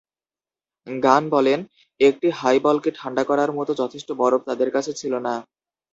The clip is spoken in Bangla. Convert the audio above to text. গান বলেন, "একটি হাইবলকে ঠাণ্ডা করার মত যথেষ্ট বরফ তাদের কাছে ছিল না"।